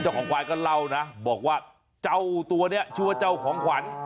ควายก็เล่านะบอกว่าเจ้าตัวนี้ชื่อว่าเจ้าของขวัญ